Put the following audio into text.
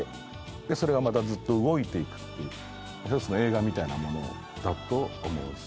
それがまたずっと動いていくっていう１つの映画みたいなものだと思うし。